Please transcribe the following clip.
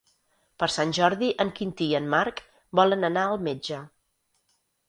Per Sant Jordi en Quintí i en Marc volen anar al metge.